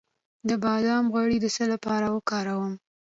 د بادام غوړي د څه لپاره وکاروم؟